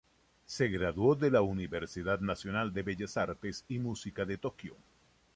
Se graduó de la Universidad Nacional de Bellas Artes y Música de Tokio.